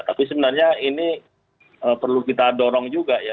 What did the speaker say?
tapi sebenarnya ini perlu kita dorong juga ya